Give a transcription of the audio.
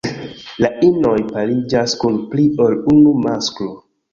La inoj pariĝas kun pli ol unu masklo.